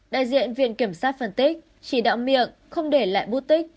đại diện viện kiểm sát phân tích chỉ đạo miệng không để lại bút tích